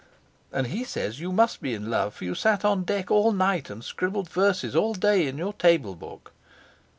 And he says you must be in love, for you sat on deck all night, and scribbled verses all day in your tablebook."